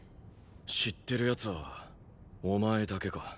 知ってる奴はお前だけか。